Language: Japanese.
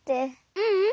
ううん。